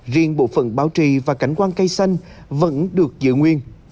riêng bộ phận báo trì và cánh quang cây xanh vẫn được giữ nguyên